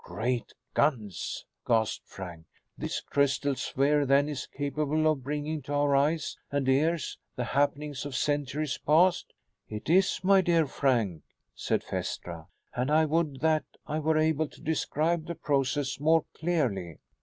"Great guns!" gasped Frank. "This crystal sphere then, is capable of bringing to our eyes and ears the happenings of centuries past?" "It is, my dear Frank," said Phaestra, "and I would that I were able to describe the process more clearly."